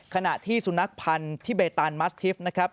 ขณะที่สุนัขพันธ์ที่เบตันมัสทิฟนะครับ